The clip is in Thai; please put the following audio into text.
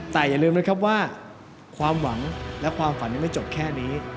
แต่อย่าลืมนะครับว่าความหวังและความฝันยังไม่จบแค่นี้